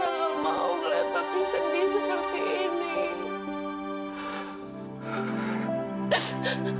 aku mau ngeliat papi sedih seperti ini